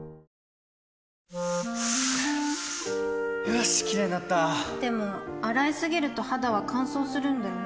よしキレイになったでも、洗いすぎると肌は乾燥するんだよね